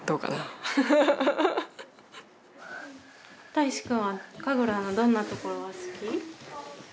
たいしくんは神楽のどんなところが好き？